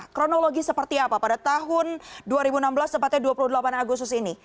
kronologi seperti apa pada tahun dua ribu enam belas tepatnya dua puluh delapan agustus ini